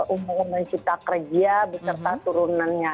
untuk mengundang cipta kerja beserta turunannya